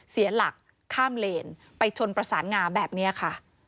เสียหลักข้ามเลนไปชนประสานงาแบบนี้ค่ะ